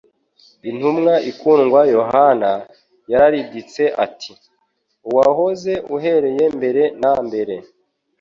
Intumwa ikundwa Yohana, yarariditse ati : "Uwahozeho uhereye mbere na mbere,